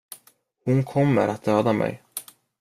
Hon kommer att döda mig.